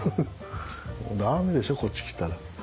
ダメでしょこっち来たら。